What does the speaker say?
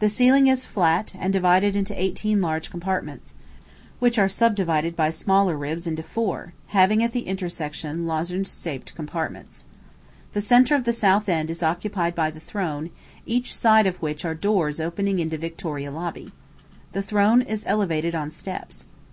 The ceiling is flat, and divided into eighteen large compartments, which are subdivided by smaller ribs into four, having at the intersection lozenge shaped compartments. The centre of the south end is occupied by the throne, each side of which are doors opening into the Victoria Lobby. The throne is elevated on steps.